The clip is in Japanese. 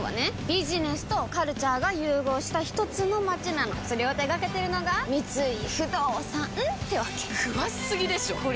ビジネスとカルチャーが融合したひとつの街なのそれを手掛けてるのが三井不動産ってわけ詳しすぎでしょこりゃ